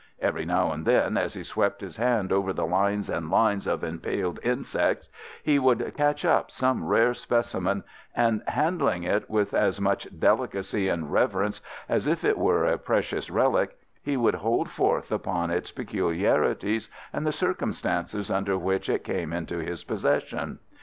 Every now and then as he swept his hand over the lines and lines of impaled insects he would catch up some rare specimen, and, handling it with as much delicacy and reverence as if it were a precious relic, he would hold forth upon its peculiarities and the circumstances under which it came into his possession.